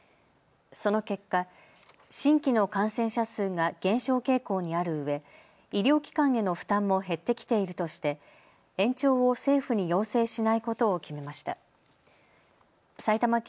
その結果、新規の感染者数が減少傾向にあるうえ医療機関への負担も減ってきているとして延長を政府に要請しないことを決めました。